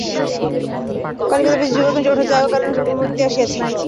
কলিকাতাবাসী যুবকগণ, উঠ, জাগো, কারণ শুভমুহূর্ত আসিয়াছে।